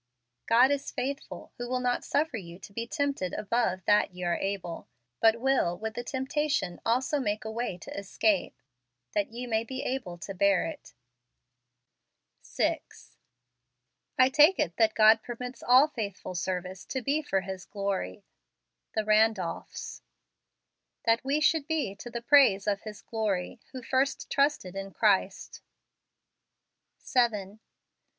" God is faithful, who will not sufer you to be tempted above that ye are able; but will with the temptation also make a way to escape, that ye may be able to bear it ." 6. I take it that God permits all faithful service to be for His glory. The Randolphs. " That we should be to the praise of his glory, who first trusted in Christ ." 18 FEBRUARY".